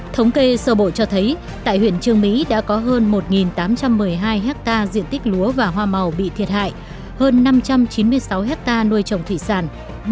thống kê sơ bộ cho thấy tại huyện trương mỹ đã có hơn một tám trăm một mươi hai hectare diện tích lúa và hoa màu bị thiệt hại hơn năm trăm chín mươi sáu hectare nuôi trồng thủy sản